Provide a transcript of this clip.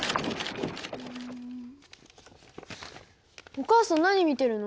お母さん何見てるの？